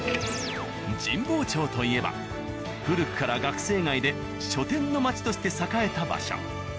神保町といえば古くから学生街で書店の街として栄えた場所。